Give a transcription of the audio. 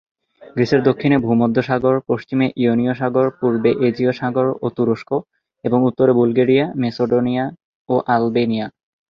গ্রিসের দক্ষিণে ভূমধ্যসাগর, পশ্চিমে ইয়োনীয় সাগর, পূর্বে এজীয় সাগর ও তুরস্ক এবং উত্তরে বুলগেরিয়া, ম্যাসেডোনিয়া ও আলবেনিয়া।